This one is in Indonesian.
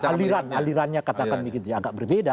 aliran alirannya katakan begini agak berbeda